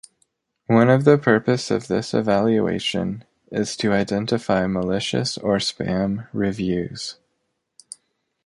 One of the purpose of this evaluation is to identify malicious or spam reviews.